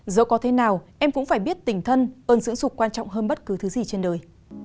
dẫu có thế nào em cũng phải biết tình thân ơn dưỡng sụp quan trọng hơn bất cứ thứ gì trên đời